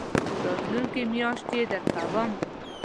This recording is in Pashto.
راتلونکې میاشت يي درکوم